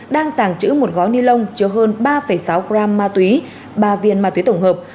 đang tàng trữ một gói ni lông chứa hơn ba sáu gram ma túy ba viên ma túy tổng hợp